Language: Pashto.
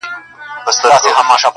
د قصاب له سترګو بلي خواته ګوره-